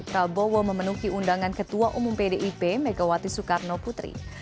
prabowo memenuhi undangan ketua umum pdip megawati soekarno putri